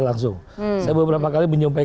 langsung saya beberapa kali menyompang